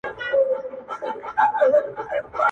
له قاضي تر احوالداره له حاکم تر پیره داره!!